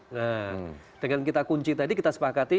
nah dengan kita kunci tadi kita sepakati